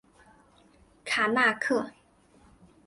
卡那刻。